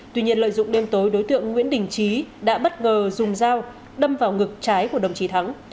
tuy nhiên lợi dụng đêm tối đối tượng nguyễn đình trí đã bất ngờ dùng dao đâm vào ngực trái của đồng chí thắng